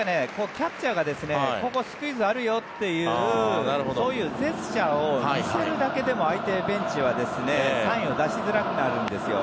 キャッチャーがここ、スクイズあるよというそういうジェスチャーを見せるだけでも相手ベンチはサインを出しづらくなるんですよ。